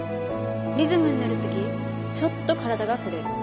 リズムにのる時ちょっと体が触れる。